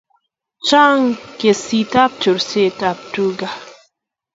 Chang kesit ab chorest ab tuka